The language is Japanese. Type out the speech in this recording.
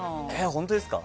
本当ですか？